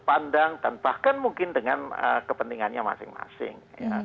pandang dan bahkan mungkin dengan kepentingannya masing masing